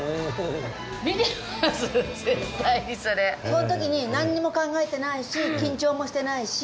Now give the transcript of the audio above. その時になんにも考えてないし緊張もしてないし。